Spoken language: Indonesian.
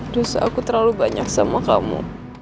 dosa aku terlalu banyak sama kamu